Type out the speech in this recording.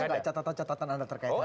ada gak catatan catatan anda terkaitkan ini